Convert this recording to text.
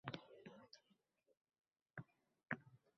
Qanday qilib? Asrlar davomida ularga nisbatan adolatsizlik qilib.